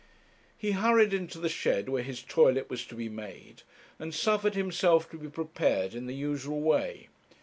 He hurried into the shed where his toilet was to be made, and suffered himself to be prepared in the usual way.